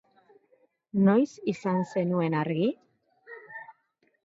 Noiz izan zenuen argi?